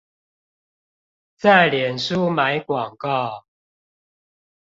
在臉書買廣告